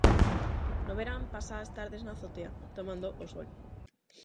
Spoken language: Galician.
No verán pasa as tardes na azotea, tomando o sol.